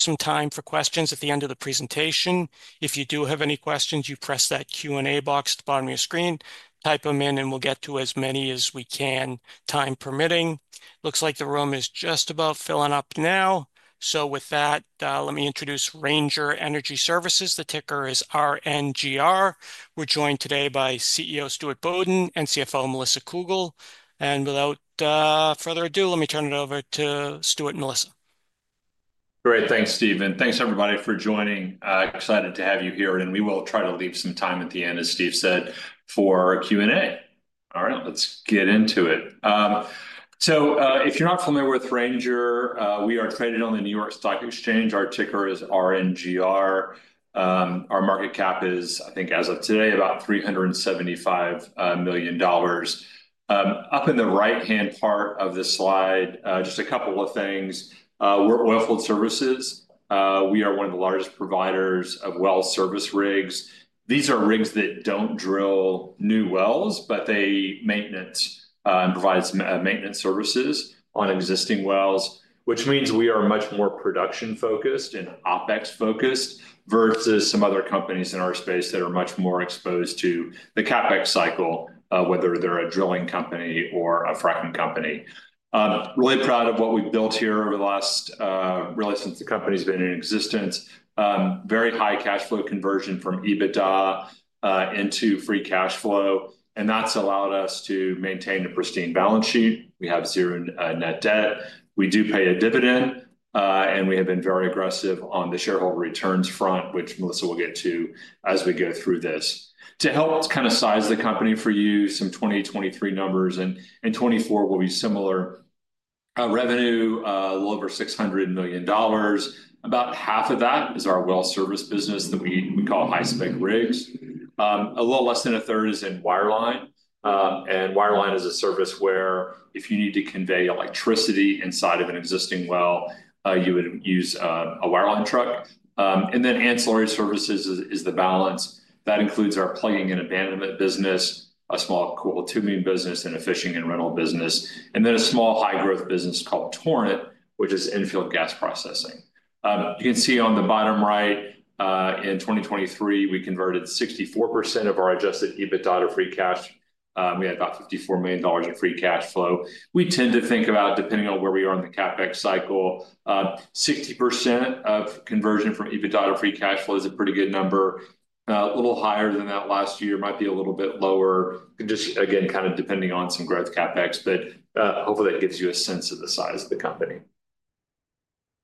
Some time for questions at the end of the presentation. If you do have any questions, you press that Q&A box at the bottom of your screen, type them in, and we'll get to as many as we can, time permitting. Looks like the room is just about filling up now. So with that, let me introduce Ranger Energy Services. The ticker is RNGR. We're joined today by CEO, Stuart Bodden, and CFO, Melissa Cougle. And without further ado, let me turn it over to Stuart and Melissa. Great. Thanks, Steve. And thanks, everybody, for joining. Excited to have you here. And we will try to leave some time at the end, as Steve said, for Q&A. All right, let's get into it. So, if you're not familiar with Ranger, we are traded on the New York Stock Exchange. Our ticker is RNGR. Our market cap is, I think, as of today, about $375 million. Up in the right-hand part of this slide, just a couple of things. We're oilfield services. We are one of the largest providers of well service rigs. These are rigs that don't drill new wells, but they provide maintenance services on existing wells, which means we are much more production-focused and OpEx-focused versus some other companies in our space that are much more exposed to the CapEx cycle, whether they're a drilling company or a fracking company. Really proud of what we've built here over the last, really, since the company's been in existence. Very high cash flow conversion from EBITDA into free cash flow, and that's allowed us to maintain a pristine balance sheet. We have zero net debt. We do pay a dividend, and we have been very aggressive on the shareholder returns front, which Melissa will get to as we go through this. To help kind of size the company for you, some 2023 numbers and 2024 will be similar. Revenue, a little over $600 million. About half of that is our well service business that we call high-spec rigs. A little less than 1/3 is in wireline, and wireline is a service where if you need to convey electricity inside of an existing well, you would use a wireline truck, and then ancillary services is the balance. That includes our plugging and abandonment business, a small coiled tubing business, and a fishing and rental business, and then a small high-growth business called Torrent, which is infield gas processing. You can see on the bottom right, in 2023, we converted 64% of our Adjusted EBITDA to free cash. We had about $54 million in free cash flow. We tend to think about, depending on where we are in the CapEx cycle, 60% of conversion from EBITDA to free cash flow is a pretty good number. A little higher than that last year might be a little bit lower, just again, kind of depending on some growth CapEx, but hopefully, that gives you a sense of the size of the company.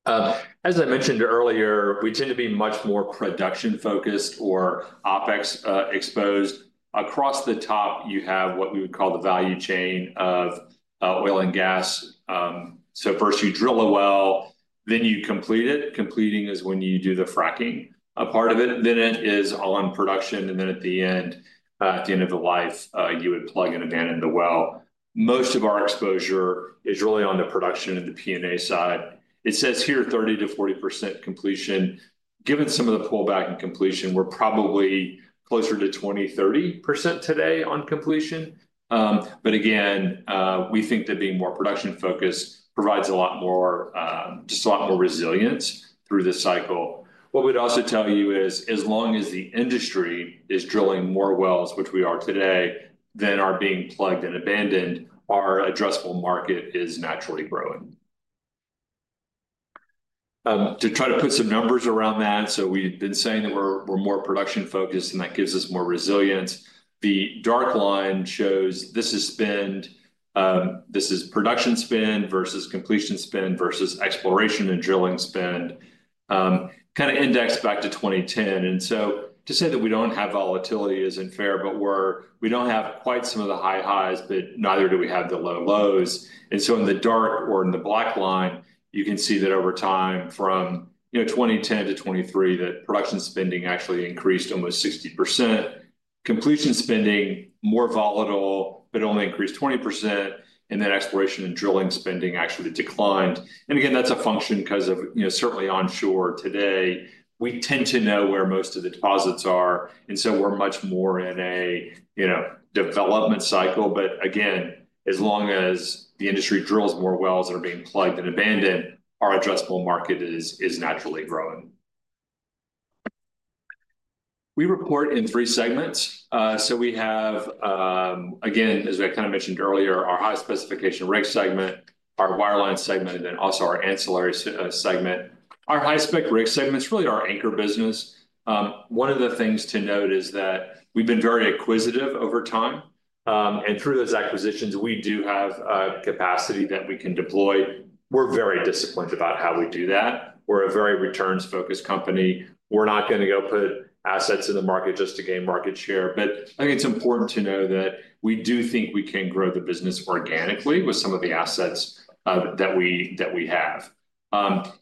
As I mentioned earlier, we tend to be much more production-focused or OpEx-exposed. Across the top, you have what we would call the value chain of oil and gas. So first, you drill a well, then you complete it. Completing is when you do the fracking part of it. Then it is all in production. And then at the end, at the end of the life, you would plug and abandon the well. Most of our exposure is really on the production and the P&A side. It says here 30% to 40% completion. Given some of the pullback in completion, we're probably closer to 20% to 30% today on completion. But again, we think that being more production-focused provides a lot more, just a lot more resilience through this cycle. What we'd also tell you is, as long as the industry is drilling more wells, which we are today, than are being plugged and abandoned, our addressable market is naturally growing. To try to put some numbers around that, so we've been saying that we're more production-focused, and that gives us more resilience. The dark line shows this is spend, this is production spend versus completion spend versus exploration and drilling spend, kind of indexed back to 2010. And so to say that we don't have volatility isn't fair, but we don't have quite some of the high highs, but neither do we have the low lows. And so in the dark or in the black line, you can see that over time from 2010 to 2023, that production spending actually increased almost 60%. Completion spending, more volatile, but only increased 20%. And then exploration and drilling spending actually declined. And again, that's a function because of certainly onshore today. We tend to know where most of the deposits are. And so we're much more in a development cycle. But again, as long as the industry drills more wells that are being plugged and abandoned, our addressable market is naturally growing. We report in three segments. So we have, again, as I kind of mentioned earlier, our high specification rig segment, our wireline segment, and then also our ancillary segment. Our high spec rig segment's really our anchor business. One of the things to note is that we've been very acquisitive over time. And through those acquisitions, we do have capacity that we can deploy. We're very disciplined about how we do that. We're a very returns-focused company. We're not going to go put assets in the market just to gain market share. But I think it's important to know that we do think we can grow the business organically with some of the assets that we have.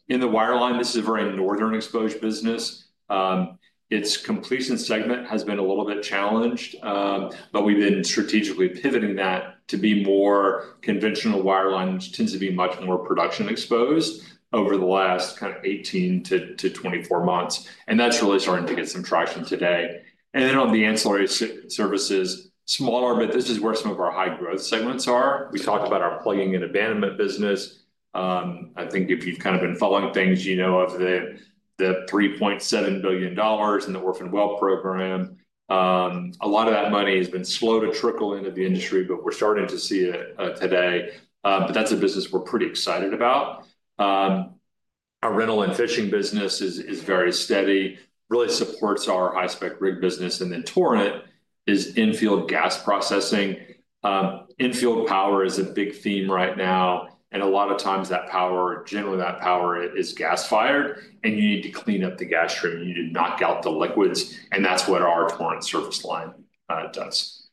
In the wireline, this is a very northern exposed business. Its completion segment has been a little bit challenged, but we've been strategically pivoting that to be more conventional wireline, which tends to be much more production-exposed over the last kind of 18 to 24 months, and that's really starting to get some traction today, and then on the ancillary services, smaller, but this is where some of our high-growth segments are. We talked about our plugging and abandonment business. I think if you've kind of been following things, you know of the $3.7 billion in the orphan well program. A lot of that money has been slow to trickle into the industry, but we're starting to see it today, but that's a business we're pretty excited about. Our rental and fishing business is very steady, really supports our high spec rig business, and then Torrent is infield gas processing. Infield power is a big theme right now. A lot of times that power, generally that power is gas-fired. You need to clean up the gas stream. You need to knock out the liquids. That's what our Torrent service line does.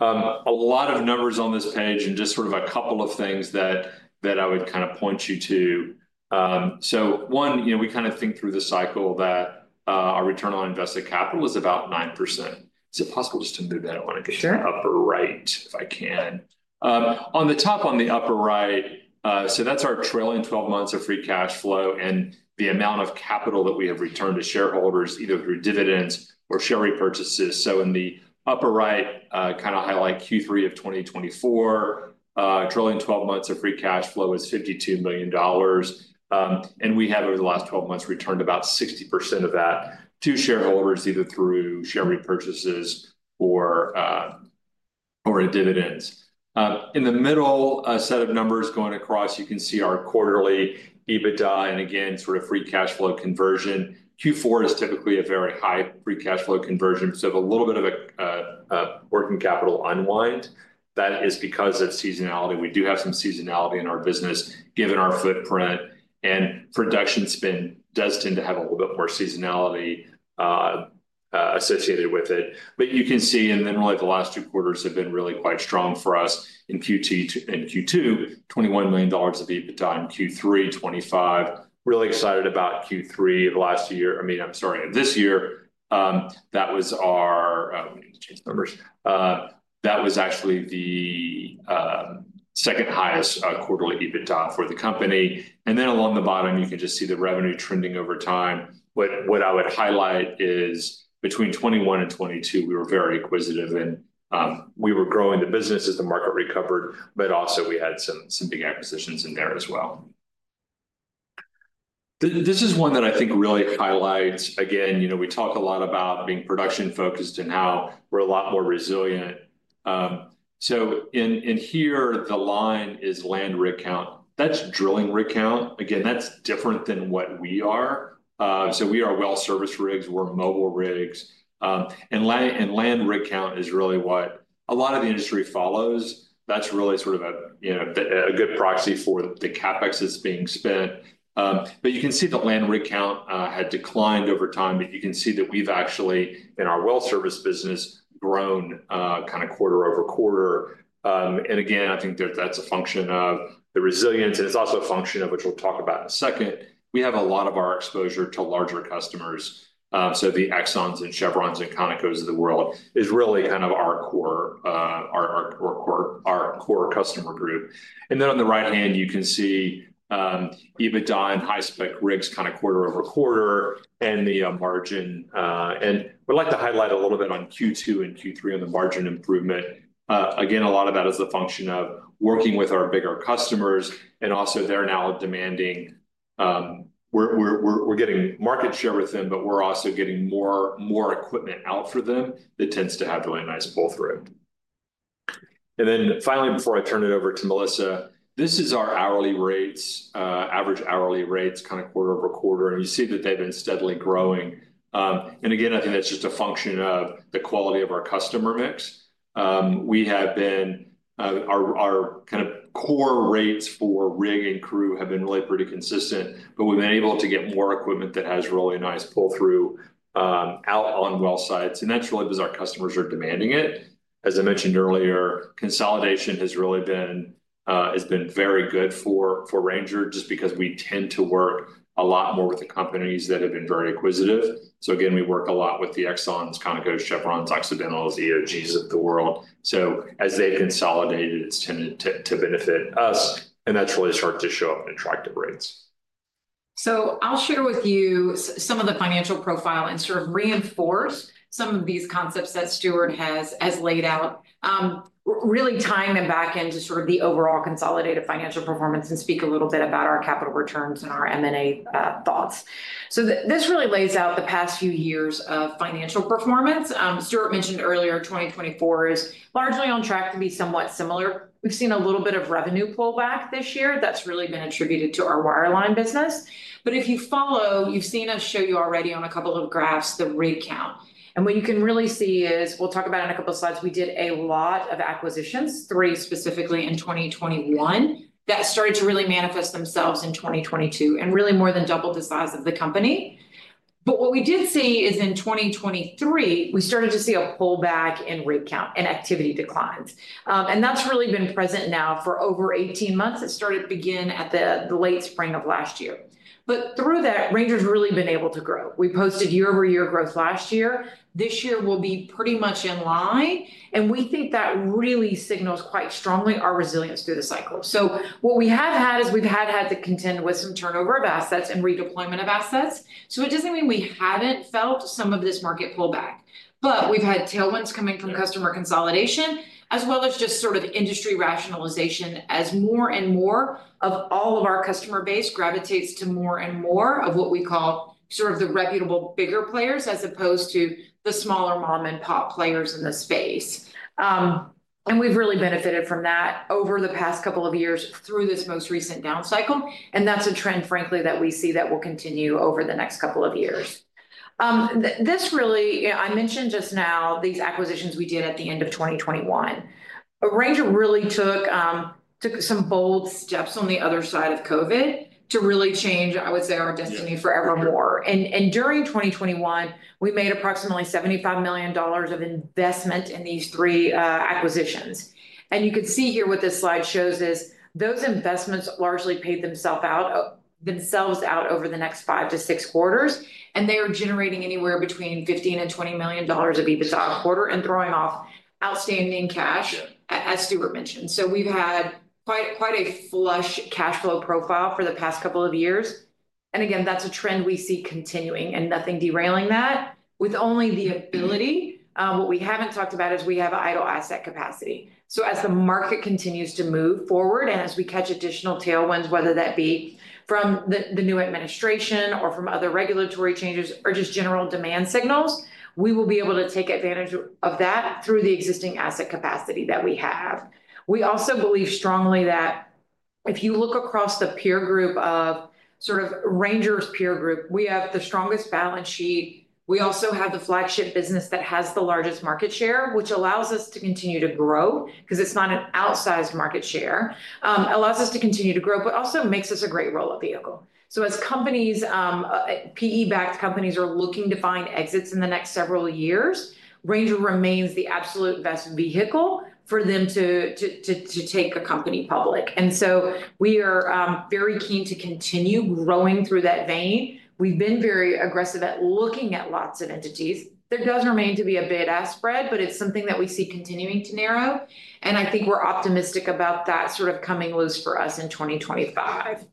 A lot of numbers on this page and just sort of a couple of things that I would kind of point you to. One, we kind of think through the cycle that our return on invested capital is about 9%. Is it possible just to move that one to the upper right if I can? On the top on the upper right, that's our trailing 12 months of free cash flow and the amount of capital that we have returned to shareholders either through dividends or share repurchases. In the upper right, kind of highlight Q3 of 2024, trailing 12 months of free cash flow is $52 million. We have over the last 12 months returned about 60% of that to shareholders either through share repurchases or dividends. In the middle set of numbers going across, you can see our quarterly EBITDA and again, sort of free cash flow conversion. Q4 is typically a very high free cash flow conversion. So, a little bit of a working capital unwind, that is because of seasonality. We do have some seasonality in our business given our footprint. Production spend does tend to have a little bit more seasonality associated with it. You can see, and then really the last two quarters have been really quite strong for us in Q2, $21 million of EBITDA in Q3, $25 million. Really excited about Q3 of the last year. I mean, I'm sorry, this year, that was our numbers. That was actually the second highest quarterly EBITDA for the company. And then along the bottom, you can just see the revenue trending over time. What I would highlight is between 2021 and 2022, we were very acquisitive and we were growing the business as the market recovered, but also we had some big acquisitions in there as well. This is one that I think really highlights. Again, we talk a lot about being production-focused and how we're a lot more resilient. So in here, the line is land rig count. That's drilling rig count. Again, that's different than what we are. So we are well service rigs. We're mobile rigs. And land rig count is really what a lot of the industry follows. That's really sort of a good proxy for the CapEx that's being spent. But you can see the land rig count had declined over time, but you can see that we've actually, in our well service business, grown kind of quarter-over-quarter. And again, I think that's a function of the resilience. And it's also a function of, which we'll talk about in a second, we have a lot of our exposure to larger customers. So the Exxons and Chevrons and Conocos of the world is really kind of our core customer group. And then on the right hand, you can see EBITDA and high spec rigs kind of quarter-over-quarter and the margin. And we'd like to highlight a little bit on Q2 and Q3 on the margin improvement. Again, a lot of that is a function of working with our bigger customers. And also, they're now demanding. We're getting market share with them, but we're also getting more equipment out for them that tends to have really nice pull-through. And then finally, before I turn it over to Melissa, this is our hourly rates, average hourly rates, kind of quarter-over-quarter. And you see that they've been steadily growing. And again, I think that's just a function of the quality of our customer mix. We have been. Our kind of core rates for rig and crew have been really pretty consistent, but we've been able to get more equipment that has really nice pull-through out on well sites. And that's really because our customers are demanding it. As I mentioned earlier, consolidation has really been very good for Ranger just because we tend to work a lot more with the companies that have been very acquisitive. So again, we work a lot with the Exxons, Conocos, Chevrons, Occidentals, EOGs of the world. So as they've consolidated, it's tended to benefit us. And that's really started to show up in attractive rates. So I'll share with you some of the financial profile and sort of reinforce some of these concepts that Stuart has laid out, really tying them back into sort of the overall consolidated financial performance and speak a little bit about our capital returns and our M&A thoughts. So this really lays out the past few years of financial performance. Stuart mentioned earlier 2024 is largely on track to be somewhat similar. We've seen a little bit of revenue pullback this year. That's really been attributed to our wireline business. But if you follow, you've seen us show you already on a couple of graphs the rig count. And what you can really see is we'll talk about in a couple of slides. We did a lot of acquisitions, three specifically in 2021, that started to really manifest themselves in 2022 and really more than doubled the size of the company. But what we did see is in 2023, we started to see a pullback in rig count and activity declines. And that's really been present now for over 18 months. It started to begin at the late spring of last year. But through that, Ranger's really been able to grow. We posted year-over-year growth last year. This year will be pretty much in line. And we think that really signals quite strongly our resilience through the cycle. So what we have had is we've had to contend with some turnover of assets and redeployment of assets. So it doesn't mean we haven't felt some of this market pullback. But we've had tailwinds coming from customer consolidation as well as just sort of industry rationalization as more and more of all of our customer base gravitates to more and more of what we call sort of the reputable bigger players as opposed to the smaller mom-and-pop players in the space. And we've really benefited from that over the past couple of years through this most recent down cycle. And that's a trend, frankly, that we see that will continue over the next couple of years. This really, I mentioned just now these acquisitions we did at the end of 2021. Ranger really took some bold steps on the other side of COVID to really change, I would say, our destiny forevermore. And during 2021, we made approximately $75 million of investment in these three acquisitions. You can see here what this slide shows is those investments largely paid themselves out over the next five to six quarters. And they are generating anywhere between $15 million and $20 million of EBITDA a quarter and throwing off outstanding cash, as Stuart mentioned. So, we've had quite a flush cash flow profile for the past couple of years. And again, that's a trend we see continuing and nothing derailing that with only the ability. What we haven't talked about is we have idle asset capacity. So as the market continues to move forward and as we catch additional tailwinds, whether that be from the new administration or from other regulatory changes or just general demand signals, we will be able to take advantage of that through the existing asset capacity that we have. We also believe strongly that if you look across the peer group of sort of Ranger's peer group, we have the strongest balance sheet. We also have the flagship business that has the largest market share, which allows us to continue to grow because it's not an outsized market share, allows us to continue to grow, but also makes us a great roll-up vehicle. So as companies, PE-backed companies are looking to find exits in the next several years, Ranger remains the absolute best vehicle for them to take a company public, and so we are very keen to continue growing through that vein. We've been very aggressive at looking at lots of entities. There does remain to be a bid-ask spread, but it's something that we see continuing to narrow, and I think we're optimistic about that sort of coming loose for us in 2025.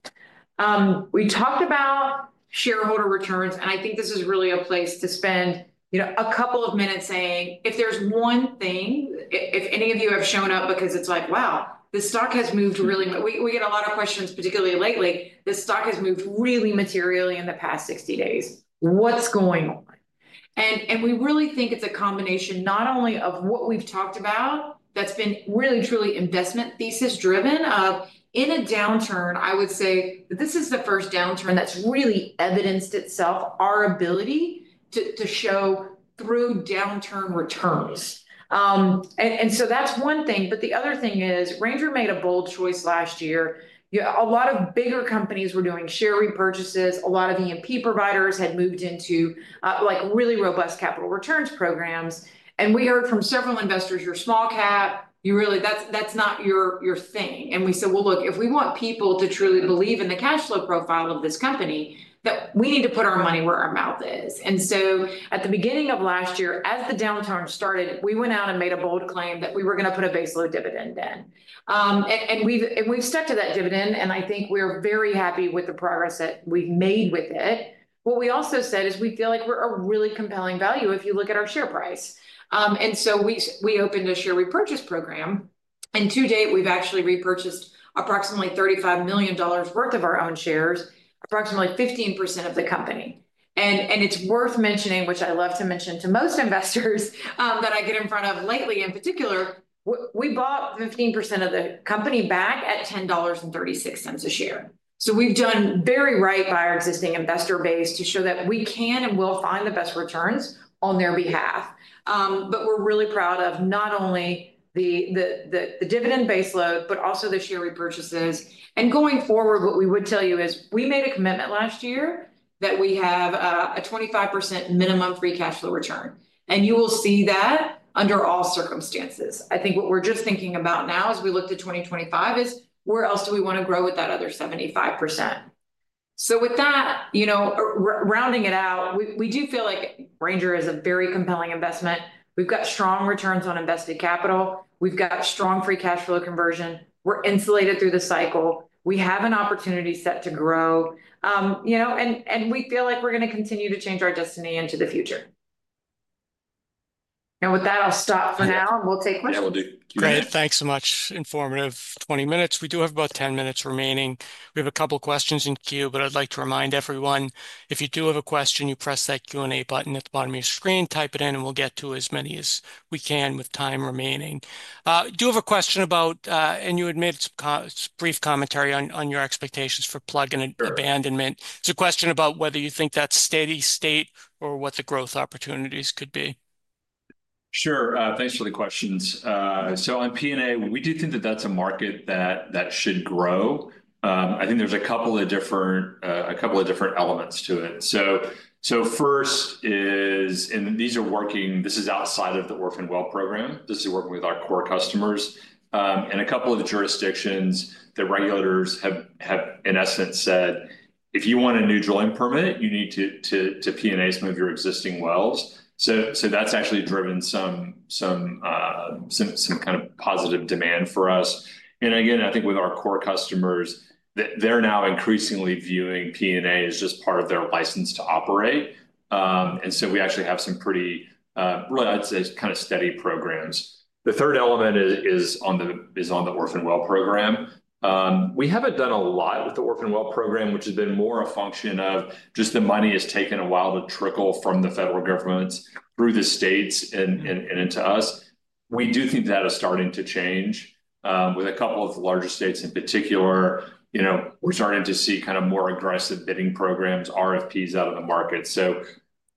We talked about shareholder returns, and I think this is really a place to spend a couple of minutes saying, if there's one thing, if any of you have shown up because it's like, wow, the stock has moved really much. We get a lot of questions, particularly lately. The stock has moved really materially in the past 60 days. What's going on. We really think it's a combination not only of what we've talked about that's been really, truly investment thesis-driven. In a downturn, I would say this is the first downturn that's really evidenced itself, our ability to show through downturn returns, and so that's one thing, but the other thing is Ranger made a bold choice last year. A lot of bigger companies were doing share repurchases. A lot of E&P providers had moved into really robust capital returns programs. We heard from several investors, you're small cap, that's not your thing. And we said, well, look, if we want people to truly believe in the cash flow profile of this company, we need to put our money where our mouth is. And so at the beginning of last year, as the downturn started, we went out and made a bold claim that we were going to put a base load dividend in. And we've stuck to that dividend. And I think we're very happy with the progress that we've made with it. What we also said is we feel like we're a really compelling value if you look at our share price. And so we opened a share repurchase program. And to date, we've actually repurchased approximately $35 million worth of our own shares, approximately 15% of the company. It's worth mentioning, which I love to mention to most investors that I get in front of lately in particular, we bought 15% of the company back at $10.36 a share. We've done very right by our existing investor base to show that we can and will find the best returns on their behalf. We're really proud of not only the dividend base load, but also the share repurchases. Going forward, what we would tell you is we made a commitment last year that we have a 25% minimum free cash flow return. You will see that under all circumstances. I think what we're just thinking about now as we look to 2025 is where else do we want to grow with that other 75%? With that, rounding it out, we do feel like Ranger is a very compelling investment. We've got strong returns on invested capital. We've got strong free cash flow conversion. We're insulated through the cycle. We have an opportunity set to grow. And we feel like we're going to continue to change our destiny into the future. And with that, I'll stop for now. And we'll take questions. Yeah, we'll do. Great. Thanks so much. Informative 20 minutes. We do have about 10 minutes remaining. We have a couple of questions in queue, but I'd like to remind everyone, if you do have a question, you press that Q&A button at the bottom of your screen, type it in, and we'll get to as many as we can with time remaining. We do have a question about, and you had made some brief commentary on your expectations for plug and abandonment. It's a question about whether you think that's steady state or what the growth opportunities could be. Sure. Thanks for the questions. So on P&A, we do think that that's a market that should grow. I think there's a couple of different elements to it. So first is, and these are working, this is outside of the orphan well program. This is working with our core customers. And a couple of jurisdictions, the regulators have, in essence, said, if you want a new drilling permit, you need to P&A some of your existing wells. So that's actually driven some kind of positive demand for us. And again, I think with our core customers, they're now increasingly viewing P&A as just part of their license to operate. And so we actually have some pretty, really, I'd say kind of steady programs. The third element is on the orphan well program. We haven't done a lot with the orphan well program, which has been more a function of just the money has taken a while to trickle from the federal governments through the states and into us. We do think that is starting to change with a couple of the larger states in particular. We're starting to see kind of more aggressive bidding programs, RFPs out of the market. So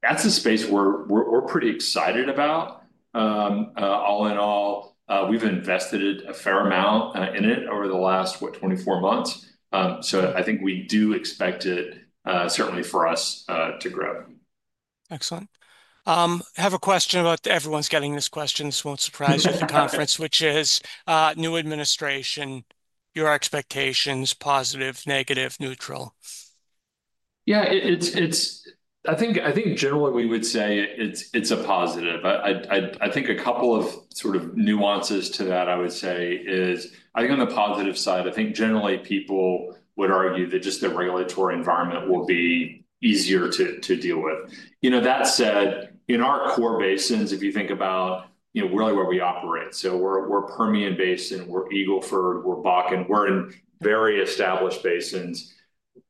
that's a space we're pretty excited about. All in all, we've invested a fair amount in it over the last, what, 24 months. So I think we do expect it, certainly for us, to grow. Excellent. Have a question about everyone's getting this question. This won't surprise you at the conference, which is new administration, your expectations, positive, negative, neutral. Yeah, I think generally we would say it's a positive. I think a couple of sort of nuances to that, I would say, is I think on the positive side, I think generally people would argue that just the regulatory environment will be easier to deal with. That said, in our core basins, if you think about really where we operate, so we're Permian Basin, we're Eagle Ford, we're Bakken, we're in very established basins.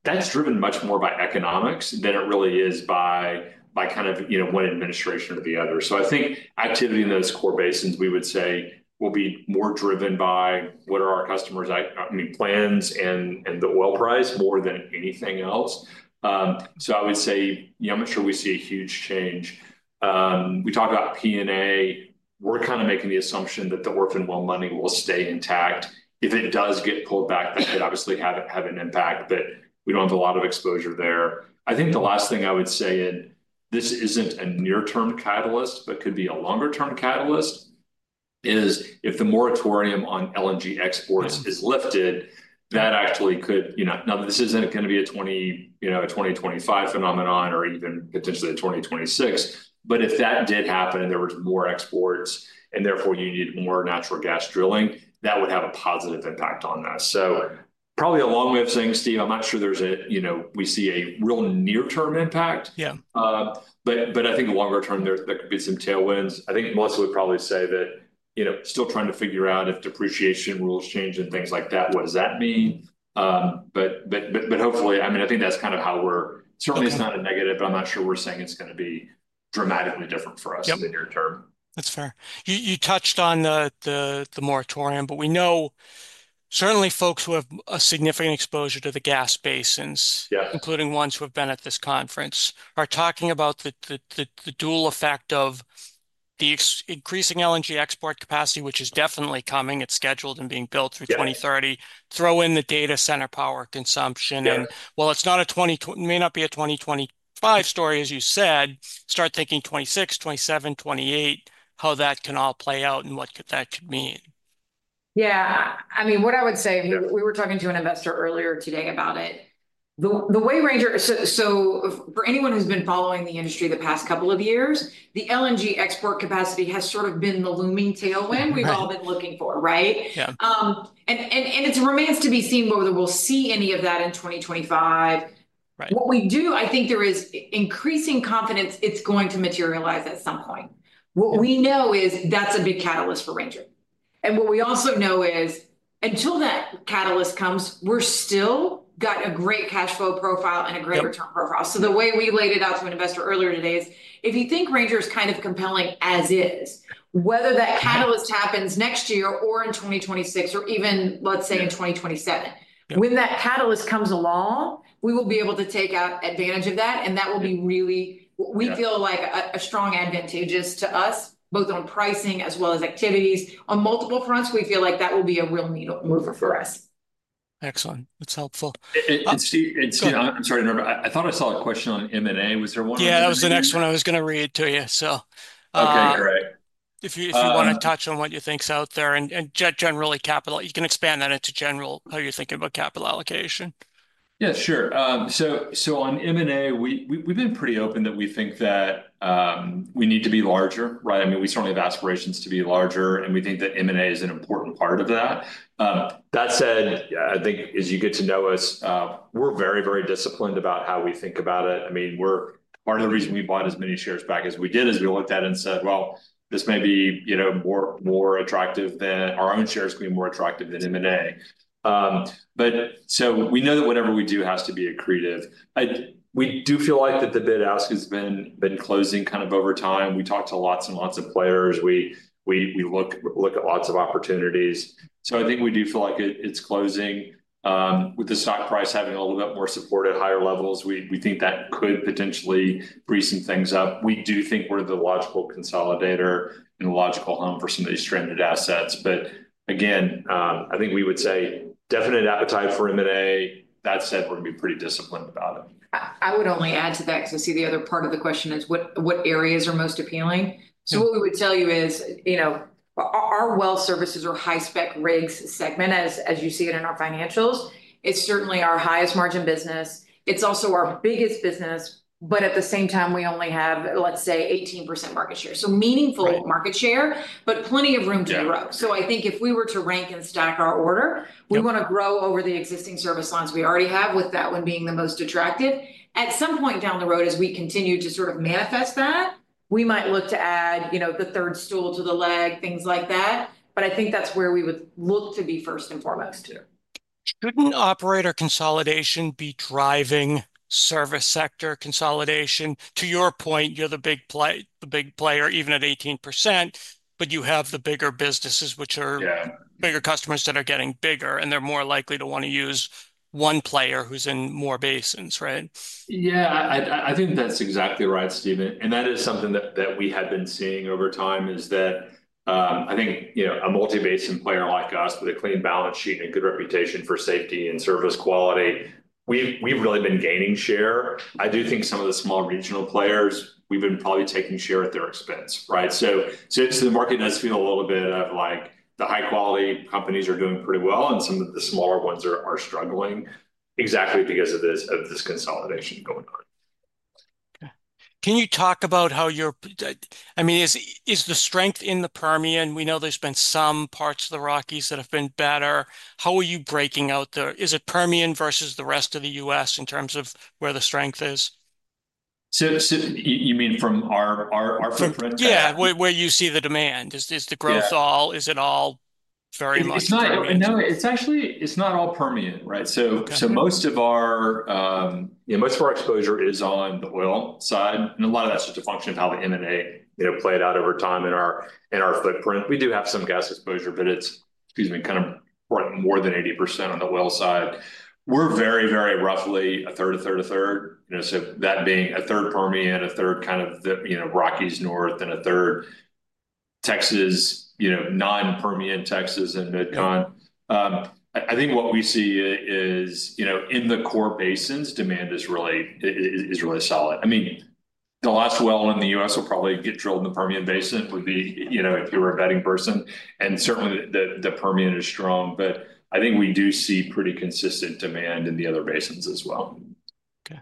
That's driven much more by economics than it really is by kind of one administration or the other. I think activity in those core basins, we would say, will be more driven by what are our customers' plans and the oil price more than anything else, so I would say, yeah, I'm not sure we see a huge change. We talked about P&A. We're kind of making the assumption that the orphan well money will stay intact. If it does get pulled back, that could obviously have an impact, but we don't have a lot of exposure there. I think the last thing I would say, and this isn't a near-term catalyst, but could be a longer-term catalyst, is if the moratorium on LNG exports is lifted, that actually could, now, this isn't going to be a 2025 phenomenon or even potentially a 2026, but if that did happen and there were more exports and therefore you need more natural gas drilling, that would have a positive impact on that. So probably a long-wave thing, Steve. I'm not sure there's a, we see a real near-term impact. But I think longer-term, there could be some tailwinds. I think most would probably say that still trying to figure out if depreciation rules change and things like that, what does that mean? Hopefully, I mean, I think that's kind of how we're. Certainly it's not a negative, but I'm not sure we're saying it's going to be dramatically different for us in the near term. That's fair. You touched on the moratorium, but we know certainly folks who have a significant exposure to the gas basins, including ones who have been at this conference, are talking about the dual effect of the increasing LNG export capacity, which is definitely coming. It's scheduled and being built through 2030. Throw in the data center power consumption. And while it's not a 2020, may not be a 2025 story, as you said, start thinking 2026, 2027, 2028, how that can all play out and what that could mean. Yeah. I mean, what I would say, we were talking to an investor earlier today about it. The way Ranger, so for anyone who's been following the industry the past couple of years, the LNG export capacity has sort of been the looming tailwind we've all been looking for, right? And it remains to be seen whether we'll see any of that in 2025. What we do, I think there is increasing confidence it's going to materialize at some point. What we know is that's a big catalyst for Ranger. And what we also know is until that catalyst comes, we've still got a great cash flow profile and a great return profile. So the way we laid it out to an investor earlier today is if you think Ranger is kind of compelling as is, whether that catalyst happens next year or in 2026 or even, let's say, in 2027, when that catalyst comes along, we will be able to take advantage of that. That will be really, we feel like a strong advantage to us, both on pricing as well as activities. On multiple fronts, we feel like that will be a real needle mover for us. Excellent. That's helpful. Steve, I'm sorry to interrupt. I thought I saw a question on M&A. Was there one? Yeah, that was the next one I was going to read to you. If you want to touch on what you think out there and generally capital, you can expand that into general, how you're thinking about capital allocation. Yeah, sure. On M&A, we've been pretty open that we think that we need to be larger, right? I mean, we certainly have aspirations to be larger, and we think that M&A is an important part of that. That said, I think as you get to know us, we're very, very disciplined about how we think about it. I mean, part of the reason we bought as many shares back as we did is we looked at it and said, well, this may be more attractive than, our own shares could be more attractive than M&A, but so we know that whatever we do has to be accretive. We do feel like that the bid-ask has been closing kind of over time. We talked to lots and lots of players. We look at lots of opportunities, so I think we do feel like it's closing with the stock price having a little bit more support at higher levels. We think that could potentially breeze some things up. We do think we're the logical consolidator and a logical home for some of these stranded assets. But again, I think we would say definite appetite for M&A. That said, we're going to be pretty disciplined about it. I would only add to that because I see the other part of the question is what areas are most appealing. So what we would tell you is our well services or high spec rigs segment, as you see it in our financials, is certainly our highest margin business. It's also our biggest business, but at the same time, we only have, let's say, 18% market share. So meaningful market share, but plenty of room to grow. So I think if we were to rank and stack our order, we want to grow over the existing service lines we already have with that one being the most attractive. At some point down the road, as we continue to sort of manifest that, we might look to add the third stool to the leg, things like that. But I think that's where we would look to be first and foremost too. Couldn't operator consolidation be driving service sector consolidation? To your point, you're the big player, even at 18%, but you have the bigger businesses, which are bigger customers that are getting bigger, and they're more likely to want to use one player who's in more basins, right? Yeah, I think that's exactly right, Steve, and that is something that we have been seeing over time is that I think a multi-basin player like us with a clean balance sheet and a good reputation for safety and service quality, we've really been gaining share. I do think some of the small regional players, we've been probably taking share at their expense, right? So the market does feel a little bit of like the high-quality companies are doing pretty well and some of the smaller ones are struggling exactly because of this consolidation going on. Can you talk about how you're, I mean, is the strength in the Permian? We know there's been some parts of the Rockies that have been better. How are you breaking out there? Is it Permian versus the rest of the U.S. in terms of where the strength is? So you mean from our footprint? Yeah, where you see the demand. Is the growth all, is it all very much? No, it's actually, it's not all Permian, right? So most of our, most of our exposure is on the oil side. And a lot of that's just a function of how the M&A played out over time in our footprint. We do have some gas exposure, but it's, excuse me, kind of more than 80% on the oil side. We're very, very roughly 1/3, 1/3, 1/3. So that being 1/3 Permian, 1/3 kind of the Rockies North and 1/3 Texas, non-Permian Texas and Mid-Continent. I think what we see is in the core basins, demand is really solid. I mean, the last well in the U.S. will probably get drilled in the Permian Basin would be if you were a betting person. And certainly the Permian is strong, but I think we do see pretty consistent demand in the other basins as well. Okay.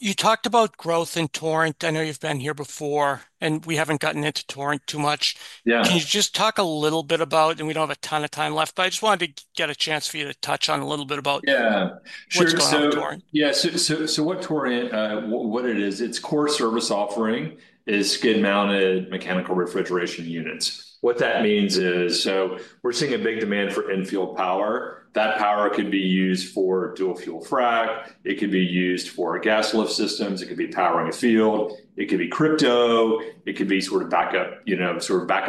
You talked about growth in Torrent. I know you've been here before, and we haven't gotten into Torrent too much. Can you just talk a little bit about, and we don't have a ton of time left, but I just wanted to get a chance for you to touch on a little bit about what's going on with Torrent. Yeah. So what Torrent, what it is, its core service offering is skid-mounted mechanical refrigeration units. What that means is, so we're seeing a big demand for infield power. That power could be used for dual fuel frac. It could be used for gas lift systems. It could be powering a field. It could be crypto. It could be sort of backup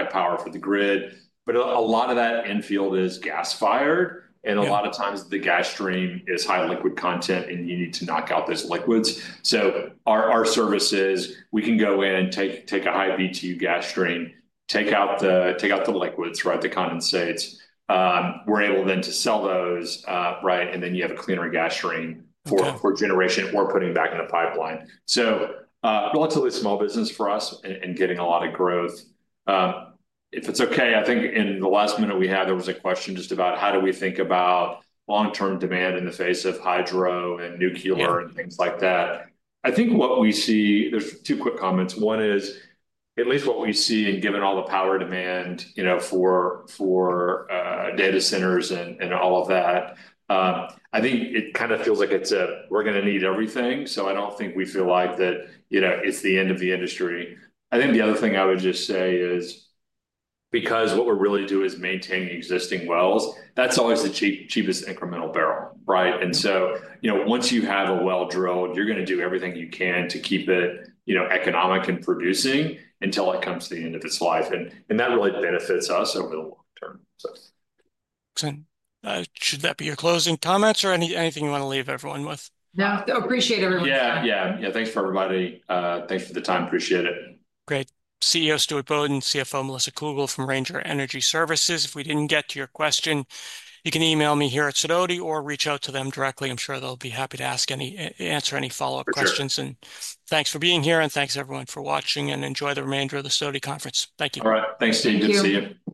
power for the grid. But a lot of that infield is gas-fired. And a lot of times the gas stream is high liquid content and you need to knock out those liquids. So our services, we can go in, take a high BTU gas stream, take out the liquids, right, that condensates. We're able then to sell those, right? And then you have a cleaner gas stream for generation or putting back in the pipeline. So relatively small business for us and getting a lot of growth. If it's okay, I think in the last minute we had, there was a question just about how do we think about long-term demand in the face of hydro and nuclear and things like that. I think what we see, there's two quick comments. One is, at least what we see and given all the power demand for data centers and all of that, I think it kind of feels like it's a, we're going to need everything. So I don't think we feel like that it's the end of the industry. I think the other thing I would just say is because what we really do is maintain the existing wells, that's always the cheapest incremental barrel, right? And so once you have a well drilled, you're going to do everything you can to keep it economic and producing until it comes to the end of its life. And that really benefits us over the long term. Should that be your closing comments or anything you want to leave everyone with? No, I appreciate everyone's time. Yeah, yeah. Yeah. Thanks for everybody. Thanks for the time. Appreciate it. Great. CEO Stuart Bodden and CFO Melissa Cougle from Ranger Energy Services. If we didn't get to your question, you can email me here at Sidoti or reach out to them directly. I'm sure they'll be happy to answer any follow-up questions. Thanks for being here, and thanks everyone for watching, and enjoy the remainder of the Sidoti conference. Thank you. All right. Thanks, Steve. Good to see you.